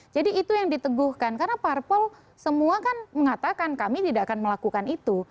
jadi itu yang diteguhkan karena parpol semua kan mengatakan kami tidak akan melakukan itu